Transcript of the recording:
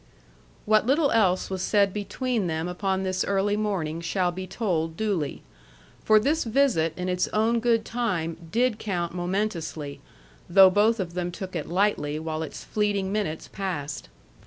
What little else was said between them upon this early morning shall be told duly. For this visit in its own good time did count momentously, though both of them took it lightly while its fleeting minutes passed.